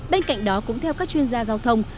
bên cạnh đó cũng theo các chuyên gia giao thông